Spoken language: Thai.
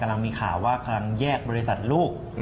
หลังมีข่าวว่ากำลังแยกบริษัทลูก